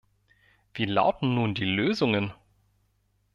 Wie lauten nun die Lösungen?